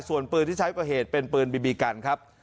ส่วนปืนที่ใช้ก่อเหตุเป็นปืนบีบีกันครับ